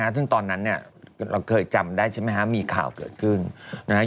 ซึ่งตอนนั้นเราเคยจำได้ใช่ไหมมีข่าวเกิดขึ้น